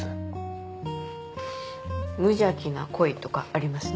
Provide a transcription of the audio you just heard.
「無邪気な恋」とかありますね。